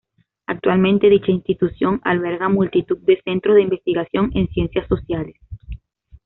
Actualmente, dicha institución, alberga multitud de centros de investigación en ciencias sociales.